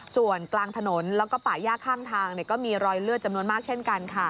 ส่วนกลางถนนแล้วก็ป่าย่าข้างทางก็มีรอยเลือดจำนวนมากเช่นกันค่ะ